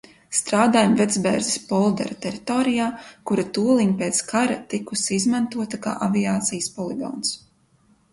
Strādājām Vecbērzes poldera teritorijā, kura tūliņ pēc kara tikusi izmantota kā aviācijas poligons.